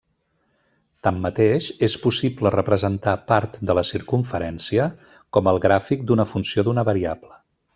Tanmateix, és possible representar part de la circumferència com el gràfic d'una funció d'una variable.